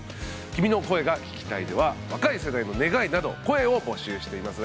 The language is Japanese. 「君の声が聴きたい」では若い世代の願いなど声を募集しています。